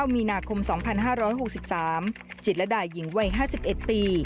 ๒๙มีนาคมสองพันห้าร้อยหกสิบสามจิตฤดายหญิงไว้ห้าสิบอีกปี